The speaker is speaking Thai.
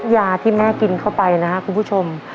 ยาที่แม่กินเข้าไปนะครับคุณผู้ชม